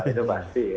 itu pasti ya